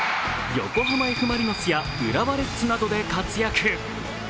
横浜Ｆ・マリノスや浦和レッズなどで活躍。